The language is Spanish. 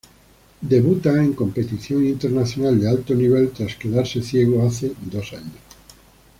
Debuta en competición internacional de alto nivel tras quedarse ciego hace dos años.